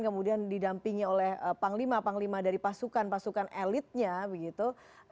kemudian didampingi oleh panglima panglima dari pasukan pasukan elitnya begitu